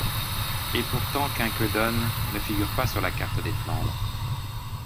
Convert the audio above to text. Et pourtant Quiquendone ne figure pas sur la carte des Flandres !